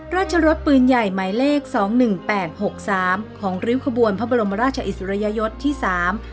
รสปืนใหญ่หมายเลขสองหนึ่งแปดหกสามของริ้วขบวนพระบรมราชอิสริยยศที่สาม